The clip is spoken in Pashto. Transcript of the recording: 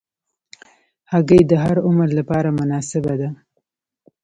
هګۍ د هر عمر لپاره مناسبه ده.